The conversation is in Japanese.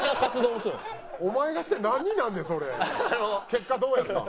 結果どうやったん？